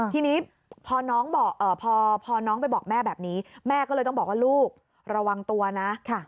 ทีนี้พอน้องไปบอกแม่แบบนี้แม่ก็เลยต้องบอกว่าลูกระวังตัวนะ